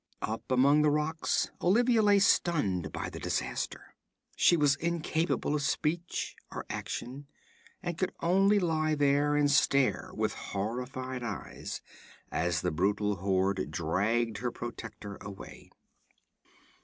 Up among the rocks, Olivia lay stunned by the disaster. She was incapable of speech or action, and could only lie there and stare with horrified eyes as the brutal horde dragged her protector away.